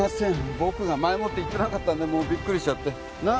僕が前もって言ってなかったんでもうびっくりしちゃってなっ？